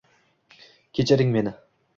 Kechiring meni...